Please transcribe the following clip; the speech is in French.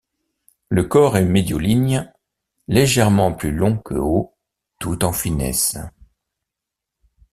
Le corps est médioligne, légèrement plus long que haut, tout en finesse.